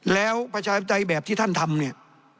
แล้วประชาธิปไตยแบบที่ท่านทำเนี่ย